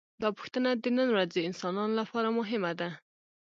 دا پوښتنه د نن ورځې انسانانو لپاره مهمه ده.